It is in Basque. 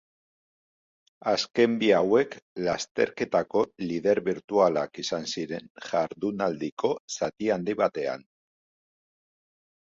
Azken bi hauek lasterketako lider birtualak izan ziren jardunaldiko zati handi batean.